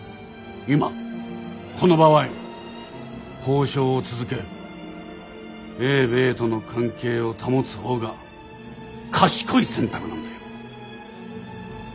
今この場合交渉を続け英米との関係を保つ方が賢い選択なんだよ。